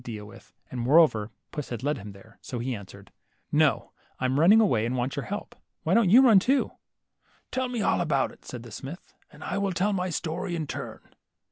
35 deal with, and moreover puss had led him there, so he answered, — No, I'm running away, and want your help ! Why don't you run, too ?"' Tell me all about it," said the smith, and I will tell my story in turn."